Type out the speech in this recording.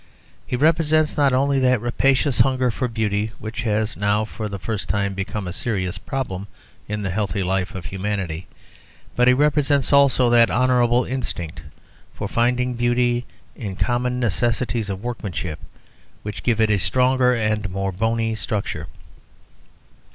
He represents not only that rapacious hunger for beauty which has now for the first time become a serious problem in the healthy life of humanity, but he represents also that honourable instinct for finding beauty in common necessities of workmanship which gives it a stronger and more bony structure.